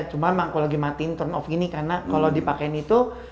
cuma aku lagi matiin turn off gini karena kalau dipakaiin itu